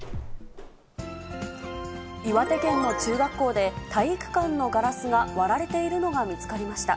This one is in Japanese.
岩手県の中学校で、体育館のガラスが割られているのが見つかりました。